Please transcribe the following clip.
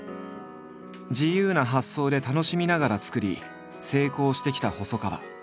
自由な発想で楽しみながら作り成功してきた細川。